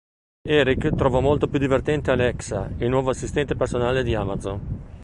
Eric trova molto più divertente Alexa, il nuovo assistente personale di Amazon.